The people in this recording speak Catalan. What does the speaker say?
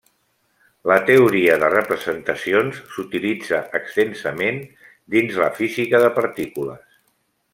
La teoria de representacions s'utilitza extensament dins la física de partícules.